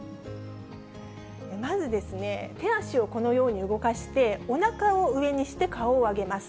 まずですね、手足をこのように動かして、おなかを上にして顔を上げます。